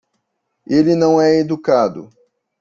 Ele não é educado.